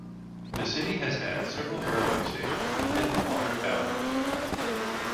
The city has had several railway stations within the modern boundaries.